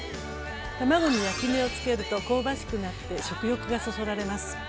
卵に焼き目をつけると香ばしくなって食欲がそそられます。